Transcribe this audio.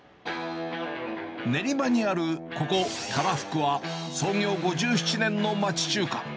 練馬にあるここ、多来福は創業５７年の町中華。